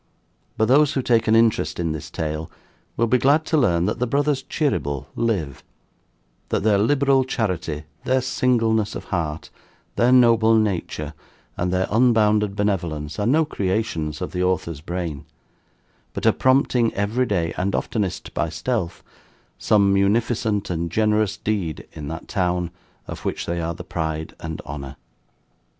But those who take an interest in this tale, will be glad to learn that the BROTHERS CHEERYBLE live; that their liberal charity, their singleness of heart, their noble nature, and their unbounded benevolence, are no creations of the Author's brain; but are prompting every day (and oftenest by stealth) some munificent and generous deed in that town of which they are the pride and honour."